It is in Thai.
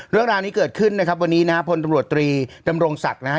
เรื่องราวนี้เกิดขึ้นนะครับวันนี้นะฮะพลตำรวจตรีดำรงศักดิ์นะฮะ